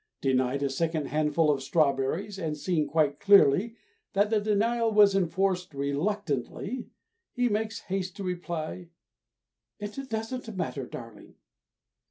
Denied a second handful of strawberries, and seeing quite clearly that the denial was enforced reluctantly, he makes haste to reply, "It doesn't matter, darling."